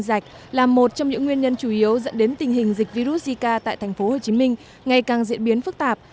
rạch là một trong những nguyên nhân chủ yếu dẫn đến tình hình dịch virus zika tại thành phố hồ chí minh ngày càng diễn biến phức tạp